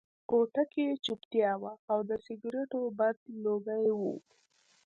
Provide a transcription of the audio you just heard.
کوټه کې چوپتیا وه او د سګرټو بد لوګي وو